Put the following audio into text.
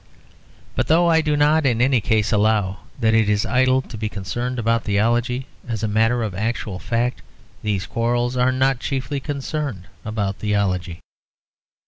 But though I do not in any case allow that it is idle to be concerned about theology, as a matter of actual fact these quarrels are not chiefly concerned about theology.